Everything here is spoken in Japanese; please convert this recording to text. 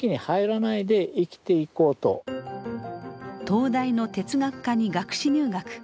東大の哲学科に学士入学。